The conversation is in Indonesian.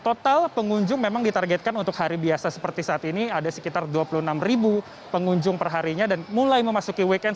total pengunjung memang ditargetkan untuk hari biasa seperti saat ini ada sekitar dua puluh enam pengunjung perharinya dan mulai memasuki weekend